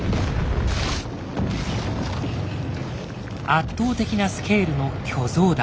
圧倒的なスケールの巨像だ。